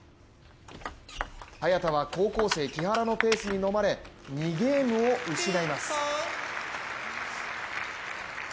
早田は高校生・木原のペースにのまれ２ゲームを失います